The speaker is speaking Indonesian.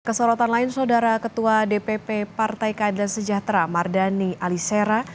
kesorotan lain saudara ketua dpp partai keadilan sejahtera mardani alisera